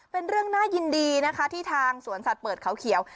เป็นเรื่องน่ายินดีนะคะที่ทางสวนสัตว์เปิดเขาเขียว